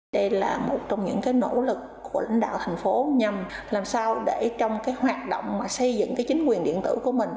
đây là một trong những nỗ lực của lãnh đạo thành phố nhằm làm sao để trong hoạt động xây dựng chính quyền điện tử của mình